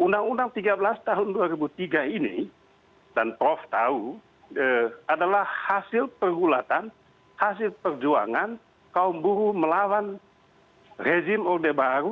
undang undang tiga belas tahun dua ribu tiga ini dan prof tahu adalah hasil pergulatan hasil perjuangan kaum buruh melawan rezim orde baru